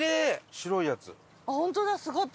白いやつ。